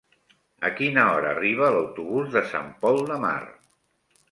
A quina hora arriba l'autobús de Sant Pol de Mar?